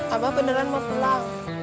abah beneran mau pulang